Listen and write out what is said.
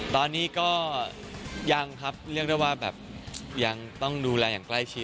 ตอนนี้ก็ยังครับเรียกได้ว่าแบบยังต้องดูแลอย่างใกล้ชิด